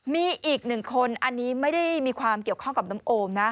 มีอีกหนึ่งคนอันนี้ไม่ได้มีความเกี่ยวข้องกับน้องโอมนะ